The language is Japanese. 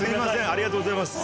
ありがとうございます。